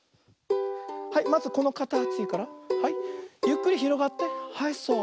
はいまずこのかたちからはいゆっくりひろがってはいそう。